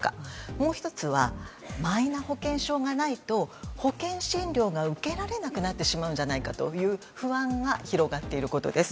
もう１つはマイナ保険証がないと保険診療が受けられなくなってしまうのではないかという不安が広がっていることです。